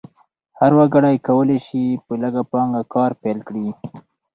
هر وګړی کولی شي په لږه پانګه کار پیل کړي.